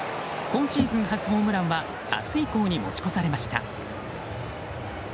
今シーズン初ホームランは明日以降に持ち越されました。